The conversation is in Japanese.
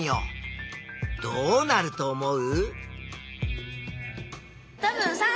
どうなると思う？